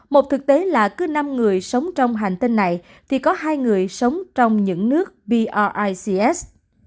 một thực tế là cứ năm người sống trong hành tinh này thì có hai người sống trong những nước bics